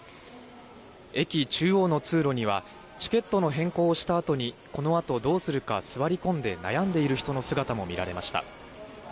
駅中央の通路にはチケットの変更をしたあとにこのあとどうするか座り込んで悩んでいる人の姿も見られました。